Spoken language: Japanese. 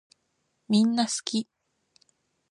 みんなすき